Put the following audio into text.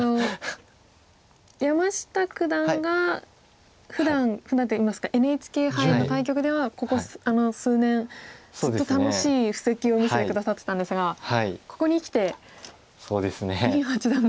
山下九段がふだんふだんといいますかＮＨＫ杯の対局ではここ数年ずっと楽しい布石を見せて下さっていたんですがここにきて林八段が。